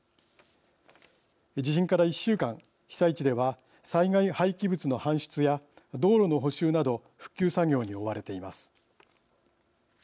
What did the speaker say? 地震から１週間、被災地では災害廃棄物の搬出や道路の補修など復旧作業に追われています。